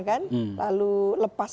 kan lalu lepas